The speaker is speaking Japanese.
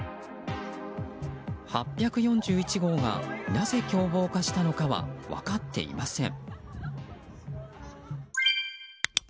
８４１号がなぜ狂暴化したのかは分かっていません。